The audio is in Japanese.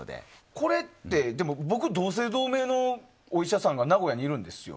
これって僕同姓同名のお医者さんが名古屋にいるんですよ。